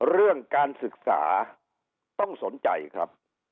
เรื่องการศึกษาต้องสนใจครับ